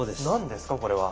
何ですか？